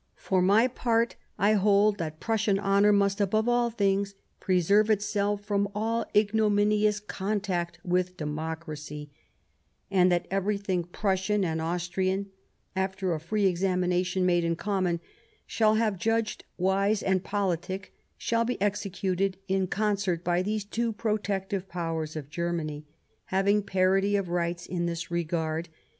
... For my part, I hold that Prussian honour must above all things preserve itself from all ignominious contact with democracy, and that everything Prussia and Austria, after a free examination made in common, shall have judged wise and politic shall be executed in concert by these two protective Powers of Germany, having parity of rights in this regard.